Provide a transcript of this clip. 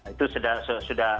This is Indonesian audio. itu sudah tidak ada